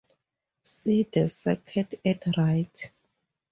See the circuit at right.